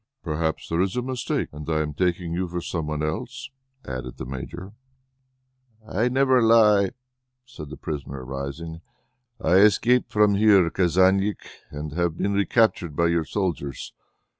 "Perhaps there is a mistake, and I am taking you for some one else?" added the Major. "I never lie!" said the prisoner, rising. "I escaped here from Kazanlik and have been recaptured by your soldiers.